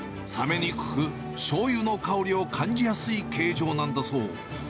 冷めにくく、しょうゆの香りを感じやすい形状なんだそう。